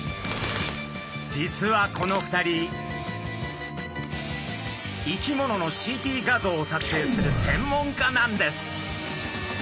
実はこの２人生き物のＣＴ画像を撮影する専門家なんです。